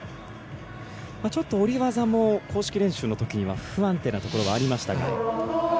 ちょっと下り技も公式練習の時には不安定なところがありましたが。